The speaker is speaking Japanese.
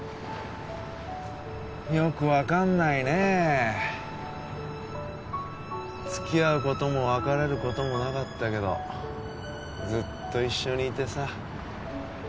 よく分かんないねえつきあうことも別れることもなかったけどずっと一緒にいてさ